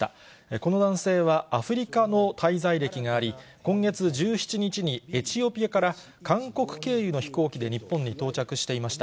この男性は、アフリカの滞在歴があり、今月１７日にエチオピアから韓国経由の飛行機で日本に到着していました。